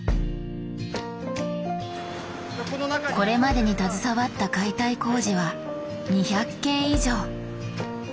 これまでに携わった解体工事は２００件以上。